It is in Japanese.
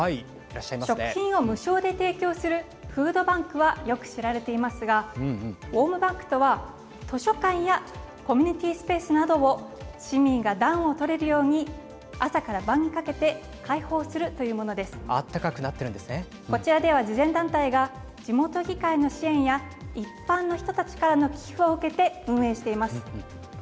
食品を無償で提供するフードバンクはよく知られていますがウォーム・バンクとは図書館やコミュニティ−スペースなど市民が暖をとれるように朝から晩にかけてあったかくなってこちらでは慈善団体が地元議会の支援や一般の人たちからの寄付を受けて運営しています。